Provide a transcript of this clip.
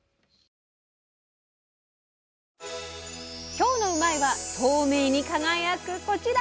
今日の「うまいッ！」は透明に輝くこちら！